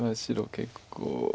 白結構。